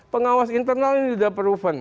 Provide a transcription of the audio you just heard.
pengawas internal ini tidak proven